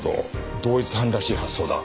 同一犯らしい発想だ。